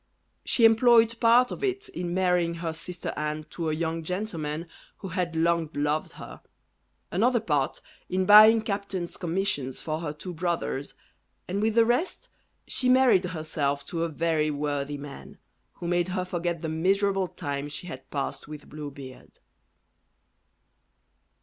She employed part of it in marrying her sister Anne to a young gentleman who had long loved her; another part, in buying captains' commissions for her two brothers, and with the rest she married herself to a very worthy man, who made her forget the miserable time she had passed with Blue Beard.